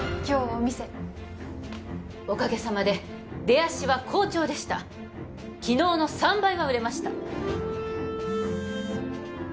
今日お店おかげさまで出足は好調でした昨日の３倍は売れました